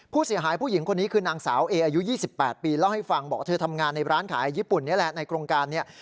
ผู้หญิงคนนี้คือนางสาวเออายุ๒๘ปีเล่าให้ฟังบอกว่าเธอทำงานในร้านขายญี่ปุ่นนี่แหละในโครงการนี้